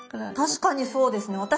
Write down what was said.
確かにそうですね。